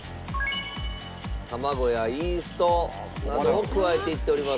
卵やイーストなどを加えていっております。